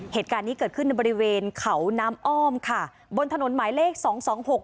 เหตุการณ์นี้เกิดขึ้นในบริเวณเขาน้ำอ้อมค่ะบนถนนหมายเลขสองสองหก